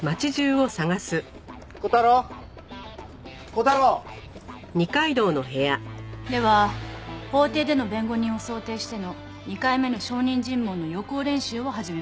小太郎小太郎！では法廷での弁護人を想定しての２回目の証人尋問の予行練習を始めます。